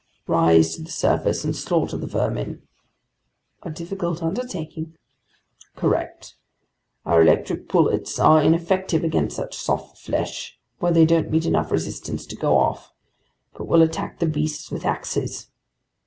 "Rise to the surface and slaughter the vermin." "A difficult undertaking." "Correct. Our electric bullets are ineffective against such soft flesh, where they don't meet enough resistance to go off. But we'll attack the beasts with axes."